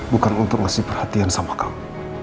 bukan untuk ngasih perhatian sama kamu